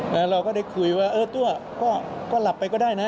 แล้วเราก็ได้คุยว่าเออตัวก็หลับไปก็ได้นะ